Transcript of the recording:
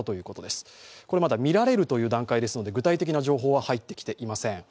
これはまだ、見られるという段階ですので具体的な情報は入ってきていません。